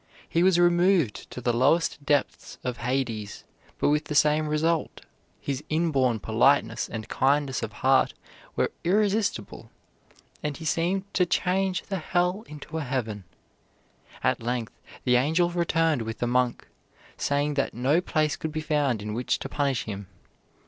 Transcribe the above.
He was removed to the lowest depths of Hades, but with the same result. His inborn politeness and kindness of heart were irresistible, and he seemed to change the hell into a heaven. At length the angel returned with the monk, saying that no place could be found in which to punish him.